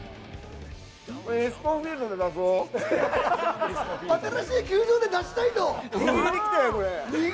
これエスコンフィールドで出新しい球場で出したいと。